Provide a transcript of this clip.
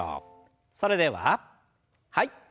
それでははい。